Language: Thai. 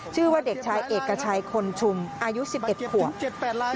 ชื่อว่าเด็กชายเอกชัยคนชุมอายุ๑๑ขวบ